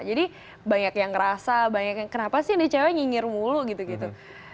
jadi banyak yang ngerasa banyak yang kenapa sih nih cewek nyinyir mulu gitu gitu